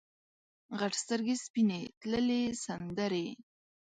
غټ سترګې سپینې تللې سندرې